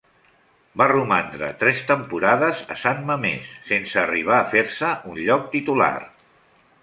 Va romandre tres temporades a San Mamés, sense arribar a fer-se un lloc titular.